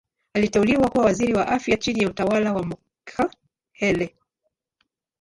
Aliteuliwa kuwa Waziri wa Afya chini ya utawala wa Mokhehle.